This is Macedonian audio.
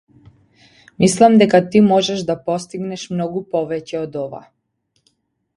Мислам дека ти можеш да постигнеш многу повеќе од ова.